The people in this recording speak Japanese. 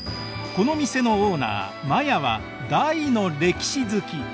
この店のオーナーマヤは大の歴史好き。